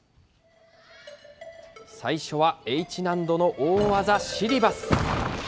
最初はＨ難度の大技、シリバス。